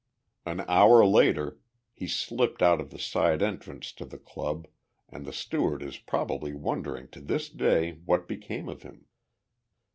An hour later he slipped out of the side entrance to the Club and the steward is probably wondering to this day what became of him.